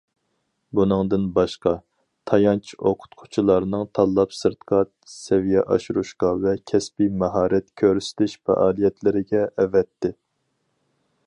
بۇنىڭدىن باشقا، تايانچ ئوقۇتقۇچىلارنى تاللاپ سىرتقا سەۋىيە ئاشۇرۇشقا ۋە كەسپىي ماھارەت كۆرسىتىش پائالىيەتلىرىگە ئەۋەتتى.